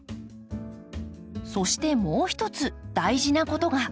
そしてもう一つ大事なことが。